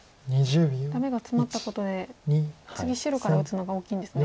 ダメがツマったことで次白から打つのが大きいんですね。